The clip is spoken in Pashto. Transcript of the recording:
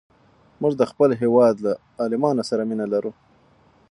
موږ د خپل هېواد له عالمانو سره مینه لرو.